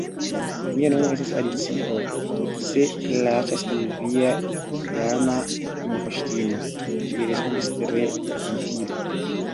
"Mia nomo estas Alicio, se plaĉas al via Dama Moŝtino," ŝi respondis tre ĝentile.